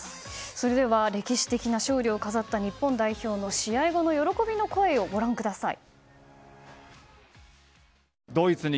それでは歴史的勝利を飾った日本代表の試合後の喜びの声ご覧ください。